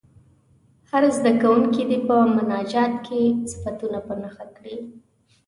هر زده کوونکی دې په مناجات کې صفتونه په نښه کړي.